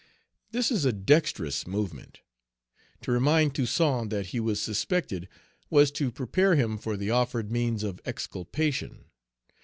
This is a dexterous movement. To remind Toussaint that he was suspected was to prepare him for the offered means of exculpation.